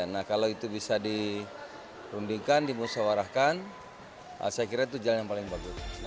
nah kalau itu bisa dirundingkan dimusyawarahkan saya kira itu jalan yang paling bagus